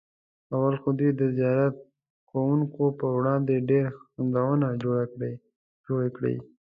اول خو دوی د زیارت کوونکو پر وړاندې ډېر خنډونه جوړ کړي.